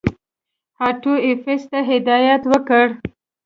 آټو ایفز ته هدایت وکړ.